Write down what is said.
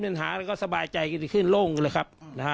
ก็มีปัญหาแล้วก็สบายใจกันขึ้นลงเลยครับ